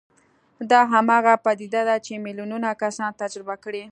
دا هماغه پديده ده چې ميليونونه کسانو تجربه کړې.